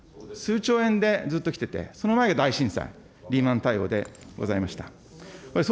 数兆円でずっときてて、その前が大震災、リーマン対応でございました。